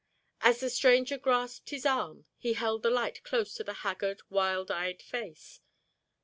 As the stranger grasped his arm he held the light close to the haggard, wild eyed face.